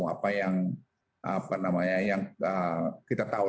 apa yang kita tahu